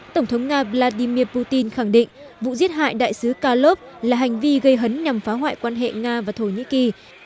tổng thống nga vladimir putin khẳng định vụ giết hại đại sứ kalov là hành vi gây hấn nhằm phá hoại quan hệ nga và thổ nhĩ kỳ